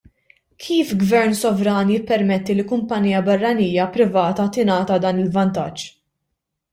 Kif Gvern sovran jippermetti li kumpanija barranija privata tingħata dan il-vantaġġ?